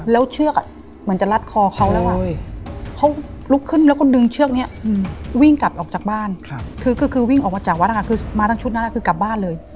แล้วเชือกเหมือนจะรัดคอเขาแล้วเขาลุกขึ้นแล้วก็ดึงเชือกนี้วิ่งกลับออกจากบ้านคือวิ่งออกมาจากวัดนะคะคือมาทั้งชุดนั้นคือกลับบ้านเลย